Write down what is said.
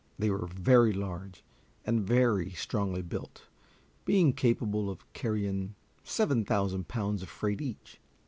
They were very large and very strongly built, being capable of carrying seven thousand pounds of freight each.